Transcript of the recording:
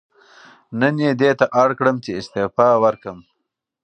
نن یې دې ته اړ کړم چې استعفا ورکړم.